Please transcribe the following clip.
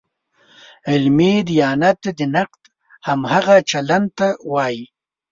علمي دیانت د نقد همغه چلن ته وایي.